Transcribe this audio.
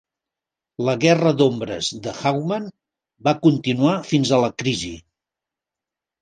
La "Guerra d'ombres de Hawkman" va continuar fins a la "Crisi".